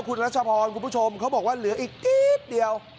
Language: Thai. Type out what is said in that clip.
คุณรัชพรคุณผู้ชมเขาบอกว่าเหลืออีกนิดเดียว